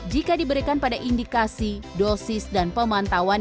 jika diberikan pada indikasi dosis dan pemantauan